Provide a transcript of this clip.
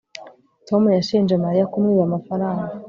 tom yashinje mariya kumwiba amafaranga